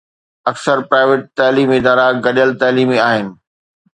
اڪثر پرائيويٽ تعليمي ادارا گڏيل تعليمي آهن.